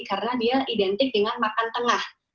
karena dia identik dengan makan tengah